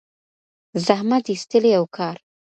زحمت ایستلی او کار